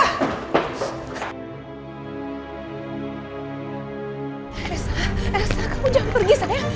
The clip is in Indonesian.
elsa elsa kamu jangan pergi sayang